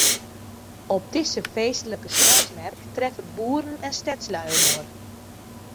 Op dizze feestlike sneinsmerk treffe boeren en stedslju inoar.